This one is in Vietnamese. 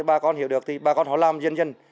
bà con hiểu được bà con họ làm dần dần